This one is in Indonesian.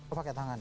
oh pakai tangan ya